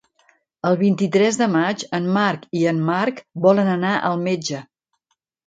El vint-i-tres de maig en Marc i en Marc volen anar al metge.